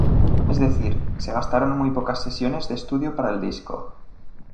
Es decir, se gastaron muy pocas sesiones de estudio para el disco.